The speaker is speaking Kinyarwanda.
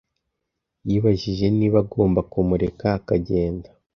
Yibajije niba agomba kumureka akagenda.